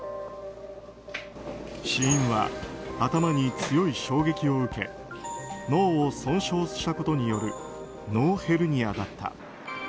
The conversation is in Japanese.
死因は、頭に強い衝撃を受け脳を損傷したことによる脳ヘルニアだった。